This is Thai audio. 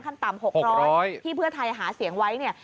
ขั้นต่ำ๖๐๐ที่เพื่อไทยหาเสียงไว้เนี่ย